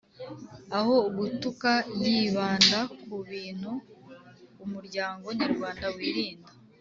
aho ugutuka yibanda ku bintu umuryango nyarwanda wirinda